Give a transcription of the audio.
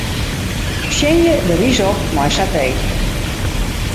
Tsjinje de rys op mei satee.